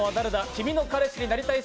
「君の彼氏になりたい」